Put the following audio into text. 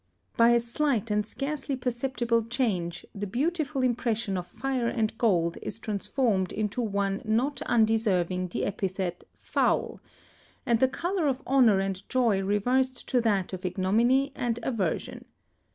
By a slight and scarcely perceptible change, the beautiful impression of fire and gold is transformed into one not undeserving the epithet foul; and the colour of honour and joy reversed to that of ignominy and aversion.